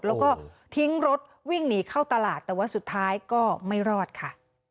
แล้วก็ทิ้งรถวิ่งหนีเข้าตลาดแต่ว่าสุดท้ายก็ไม่รอดค่ะ